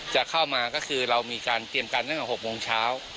จะเข้ามาก็คือเรามีการเตรียมการตั้งแต่๖โมงเช้า